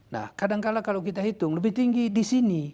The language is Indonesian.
nah kadangkala kalau kita hitung lebih tinggi di sini